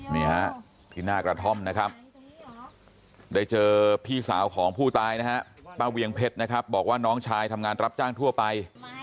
นี่ฮะที่หน้ากระท่อมนะครับได้เจอพี่สาวของผู้ตายนะฮะป้าเวียงเพชรนะครับบอกว่าน้องชายทำงานรับจ้างทั่วไป